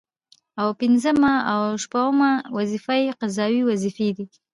او پنځمه او شپومه وظيفه يې قضايي وظيفي دي